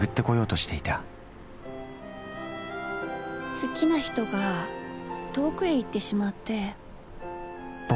好きな人が遠くへ行ってしまって。